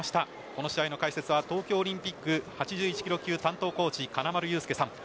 この試合の解説は東京オリンピック８１ｋｇ級担当コーチ金丸雄介さん。